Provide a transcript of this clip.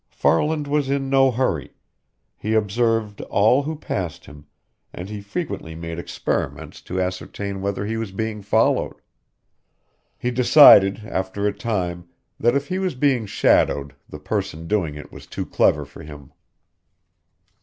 Farland was in no hurry. He observed all who passed him, and he frequently made experiments to ascertain whether he was being followed. He decided, after a time, that if he was being shadowed the person doing it was too clever for him.